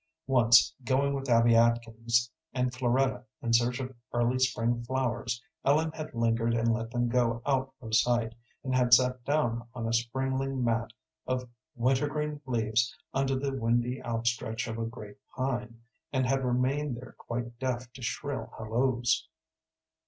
Once, going with Abby Atkins and Floretta in search of early spring flowers, Ellen had lingered and let them go out of sight, and had sat down on a springing mat of wintergreen leaves under the windy outstretch of a great pine, and had remained there quite deaf to shrill halloos.